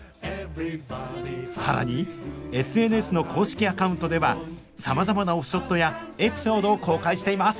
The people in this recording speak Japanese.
更にＳＮＳの公式アカウントではさまざまなオフショットやエピソードを公開しています！